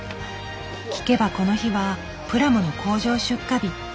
聞けばこの日はプラモの工場出荷日。